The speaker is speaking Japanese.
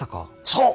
そう！